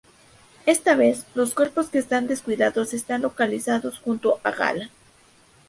Esta vez, los cuerpos que están descuidados están localizados junto a Gala.